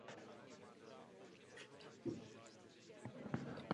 Založil také vlastní vedlejší projekt Bassinvaders.